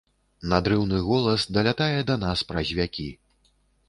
Надрыўны голас далятае да нас праз вякі.